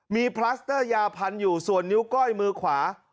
มีพลัสเตอร์ยาพันอยู่ส่วนนิ้วก้อยมือขวา